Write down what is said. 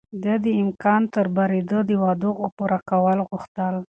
ده د امکان تر بريده د وعدو پوره کول غوښتل.